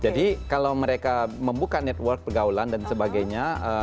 jadi kalau mereka membuka network pergaulan dan sebagainya